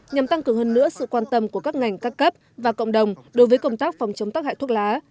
nhằm tăng cường hơn nữa sự quan tâm của các ngành các cấp và cộng đồng đối với công tác phòng chống tắc hại thuốc lá